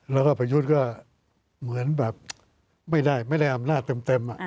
แล้วก็ประยุทธ์ก็เหมือนแบบไม่ได้อำนาจเต็ม